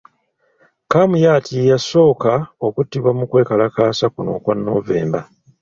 Kamuyat ye yasooka okuttibwa mu kwekalakaasa kuno okwa Novemba .